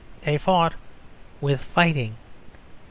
They fought with fighting.